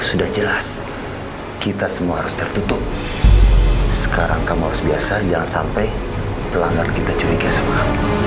sudah jelas kita semua harus tertutup sekarang kamu harus biasa jangan sampai pelanggar kita curiga semua